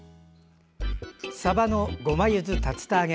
さばのごまゆず竜田揚げ。